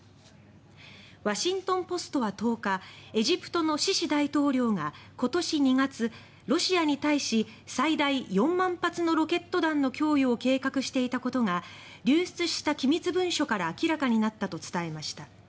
ワシントン・ポストは１０日エジプトのシシ大統領が今年２月ロシアに対し、最大４万発のロケット弾の供与を計画していたことが流出した機密文書から明らかになったと伝えました。